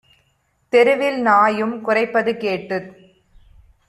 தெருவில் நாயும் குரைப்பது கேட்டுத்